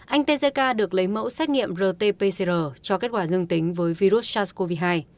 anh tzk được lấy mẫu xét nghiệm rt pcr cho kết quả dương tính với virus sars cov hai